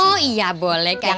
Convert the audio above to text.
oh iya boleh kain sarung